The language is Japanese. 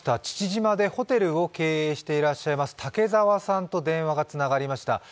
父島でホテルを経営していらっしゃいます竹澤さんと電話がつながりました。